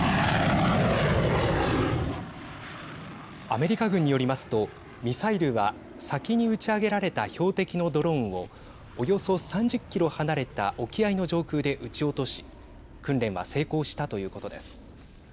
アメリカ軍によりますとミサイルは、先に打ち上げられた標的のドローンをおよそ３０キロ離れた沖合の上空で撃ち落とし訓練は成功したということです。